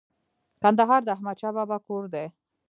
کندهار د احمد شاه بابا کور دی